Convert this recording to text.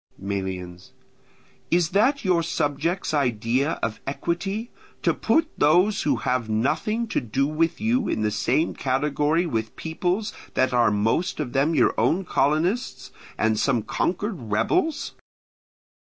Melians. Is that your subjects' idea of equity, to put those who have nothing to do with you in the same category with peoples that are most of them your own colonists, and some conquered rebels?